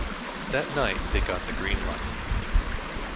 That night they got the green light.